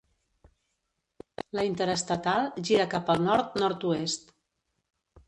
La interestatal gira cap el nord-nord-oest.